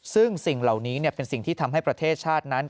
ซึ่งสิ่งเหล่านี้เป็นสิ่งที่ทำให้ประเทศชาตินั้น